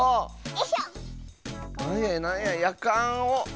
なんやなんややかんを。